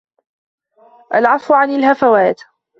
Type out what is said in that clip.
الْعَفْوُ عَنْ الْهَفَوَاتِ